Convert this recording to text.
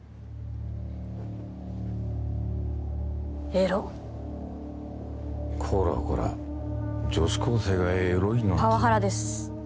エロッこらこら女子高生がエロいなんてパワハラです